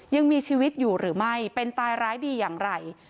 ยังมีชีวิตอยู่หรือไม่เป็นตายร้ายดีอย่างไร